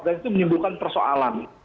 dan itu menyembuhkan persoalan